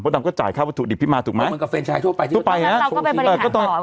มดดำก็จ่ายค่าวัตถุดิบพี่มาถูกไหมแล้วก็ไปบริหารของเขาเอง